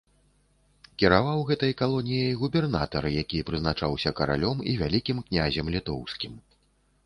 Кіраваў гэтай калоніяй губернатар, які прызначаўся каралём і вялікім князем літоўскім.